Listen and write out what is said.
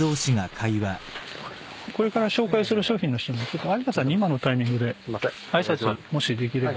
これから紹介する商品の人に有田さんに今のタイミングで挨拶もしできれば。